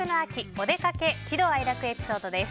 おでかけ喜怒哀楽エピソードです。